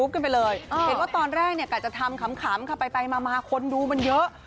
ก็จะทำขำไปมาคนดูมันเยอะ